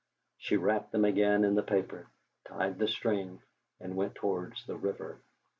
She wrapped them again in the paper, tied the string, and went towards the river.